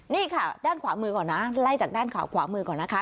นี่ค่ะด้านขวามือก่อนนะไล่จากด้านข่าวขวามือก่อนนะคะ